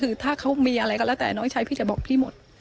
คือถ้าเขามีอะไรก็แล้วแต่น้องชายพี่จะบอกพี่หมด